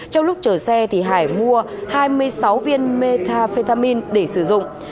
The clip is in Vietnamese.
trong lúc chở xe hải mua hai mươi sáu viên metafetamin để sử dụng